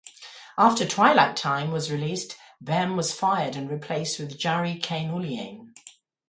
After "Twilight Time" was released, Behm was fired and replaced with Jari Kainulainen.